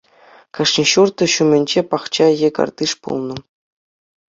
Кашни ҫурт ҫумӗнче пахча е картиш пулнӑ.